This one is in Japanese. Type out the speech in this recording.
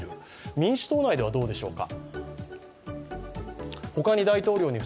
民主党内ではどうでしょうか。